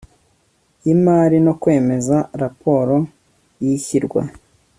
y imari no kwemeza raporo y ishyirwa